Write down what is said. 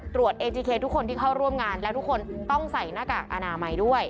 เอจีเคทุกคนที่เข้าร่วมงานแล้วทุกคนต้องใส่หน้ากากอนามัยด้วย